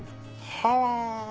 はあ！